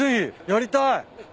やりたい。